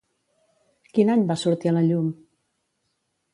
Quin any va sortir a la llum?